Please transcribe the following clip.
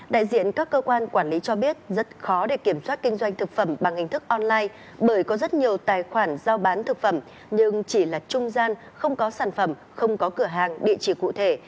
đại diện các cơ quan quản lý cho biết rất khó để kiểm soát kinh doanh thực phẩm bằng hình thức online bởi có rất nhiều tài khoản giao bán thực phẩm nhưng chỉ là trung gian không có sản phẩm không có cửa hàng địa chỉ cụ thể